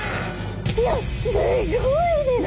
いやすごいですよ。